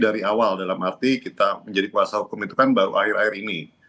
dari awal dalam arti kita menjadi kuasa hukum itu kan baru akhir akhir ini